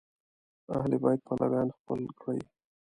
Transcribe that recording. اهل بیت پلویان خپل کړي